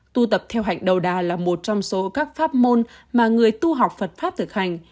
tu tập theo hạnh đầu đà là một trong số các pháp môn mà người tu học phật pháp thực hành